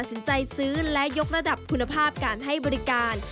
สินใจซื้อและยกระดับคุณภาพการให้บริการ